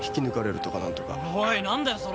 おい何だよそれ。